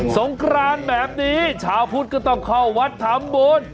งครานแบบนี้ชาวพุทธก็ต้องเข้าวัดทำบุญ